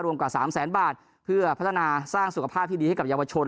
กว่าสามแสนบาทเพื่อพัฒนาสร้างสุขภาพที่ดีให้กับเยาวชน